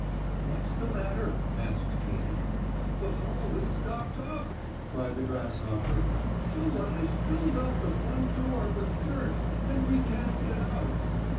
"What's the matter?" asked Katy. "The hole is stopped up!" cried the grasshopper. "Some one has filled up the front door with dirt and we can't get out."